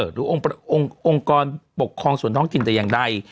หรือองค์กรปกครองส่วนท้องถิ่นแต่อย่างใด